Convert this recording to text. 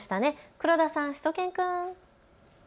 黒田さん、しゅと犬くん。